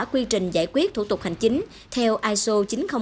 quy trình giải quyết thủ tục hành chính theo iso chín nghìn một hai nghìn tám